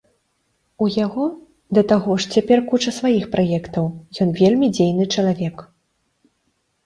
У яго, да таго ж, цяпер куча сваіх праектаў, ён вельмі дзейны чалавек.